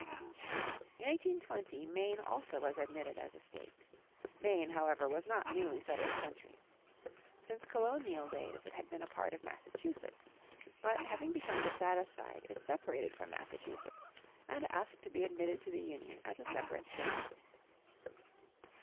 In 1820 Maine also was admitted as a state. Maine, however, was not newly settled country. Since colonial days it had been a part of Massachusetts. But having become dissatisfied, it separated from Massachusetts, and asked to be admitted to the Union as a separate state.